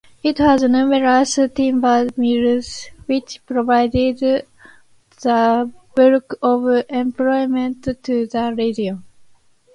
It had numerous timber mills which provided the bulk of employment to the region.